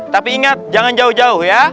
tapi ingat jangan jauh jauh ya